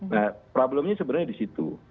nah problemnya sebenarnya di situ